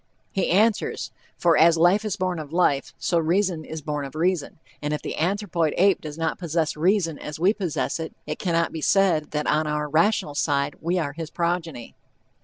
He answers, "for as life is born of life, so reason is born of reason, and if the anthropoid ape does not possess reason as we possess it, it cannot be said that on our rational side we are his progeny."